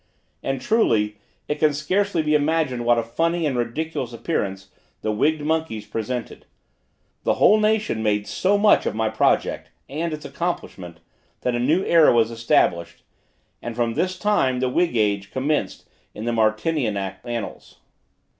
And, truly, it can scarcely be imagined what a funny and ridiculous appearance the wigged monkeys presented! The whole nation made so much of my project and its accomplishment, that a new era was established; and from this time the wig age commenced in the Martinianic annals.